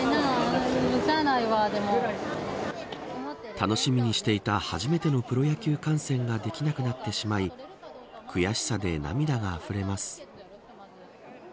楽しみにしていた初めてのプロ野球観戦ができなくなってしまい悔しさで涙があふれます。